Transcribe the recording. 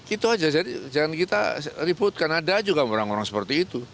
itu aja jadi jangan kita ribut karena ada juga orang orang seperti itu